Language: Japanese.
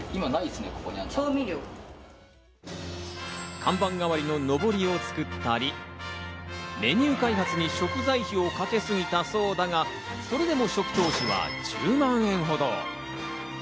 看板代わりののぼりを作ったり、メニュー開発に食材費をかけすぎたそうだが、それでも初期投資は１０万円ほど。